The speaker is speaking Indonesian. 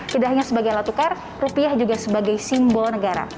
tidak hanya sebagai alat tukar rupiah juga sebagai simbol negara